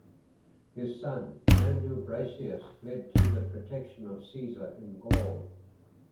His son, Mandubracius, fled to the protection of Caesar in Gaul.